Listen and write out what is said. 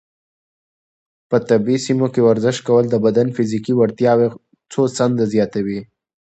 په طبیعي سیمو کې ورزش کول د بدن فزیکي وړتیاوې څو چنده زیاتوي.